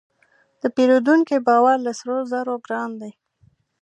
د پیرودونکي باور له سرو زرو ګران دی.